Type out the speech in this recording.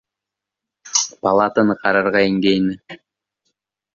Палатаны ҡарарға ингәйне.